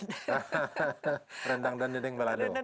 rendang dan dendeng balado